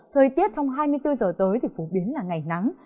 thời tiết trong hai mươi bốn giờ tới thì phổ biến là ngày nắng